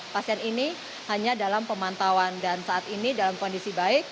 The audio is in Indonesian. pasien ini hanya dalam pemantauan dan saat ini dalam kondisi baik